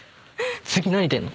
次何出んの？